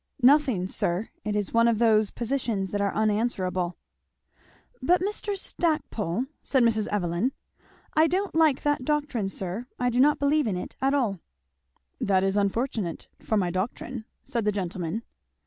"Nothing, sir; it is one of those positions that are unanswerable." "But Mr. Stackpole," said Mrs. Evelyn, "I don't like that doctrine, sir. I do not believe in it at all." "That is unfortunate for my doctrine," said the gentleman.